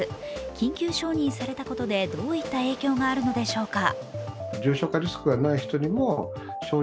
緊急承認されたことでどういった影響があるのでしょうか。